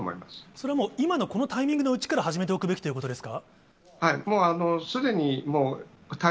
それはもう、今のこのタイミングのうちから始めておくべきということですか？